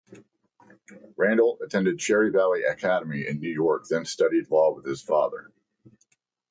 Randall attended Cherry Valley Academy in New York then studied law with his father.